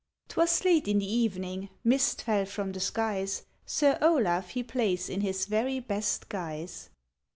ŌĆØ ŌĆÖTwas late in the evening, mist fell from the skies, Sir Olaf he plays in his very best guise.